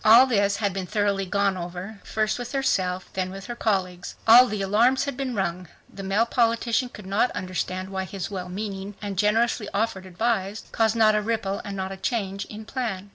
All this had been thoroughly gone over, first with herself, then with her colleagues. All the "alarms" had been rung. The male politician could not understand why his wellmeaning and generously offered advice caused not a ripple and not a change in plan.